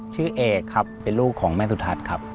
เอกครับเป็นลูกของแม่สุทัศน์ครับ